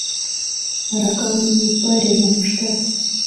— Аракам йӱыт, пайремым ыштат.